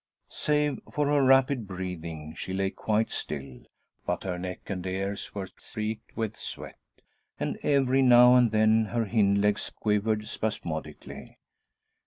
Save for her rapid breathing, she lay quite still, but her neck and ears were streaked with sweat, and every now and then her hind legs quivered spasmodically.